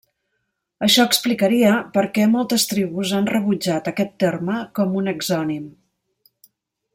Això explicaria per què moltes tribus han rebutjat aquest terme com a un exònim.